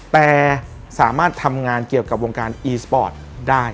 แต่สามารถทำงานเกี่ยวกับวงการอีสปอร์ตได้